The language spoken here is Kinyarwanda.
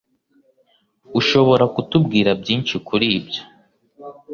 Ushobora kutubwira byinshi kuri ibyo?